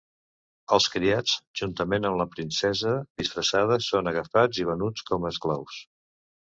Els criats, juntament amb la princesa disfressada, són agafats i venuts com a esclaus.